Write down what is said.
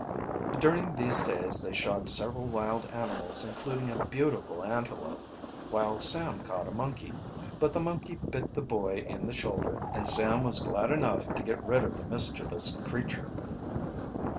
During these days they shot several wild animals including a beautiful antelope, while Sam caught a monkey. But the monkey bit the boy in the shoulder, and Sam was glad enough to get rid of the mischievous creature.